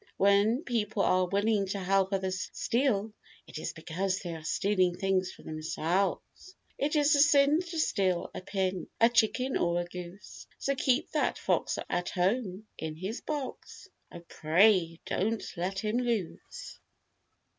When people are willing to help others steal it is because they are stealing things for themselves. It is a sin to steal a pin, A chicken or a goose. So keep that fox home in his box. Oh, pray, don't let him loose.